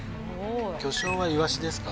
魚醤はイワシですか？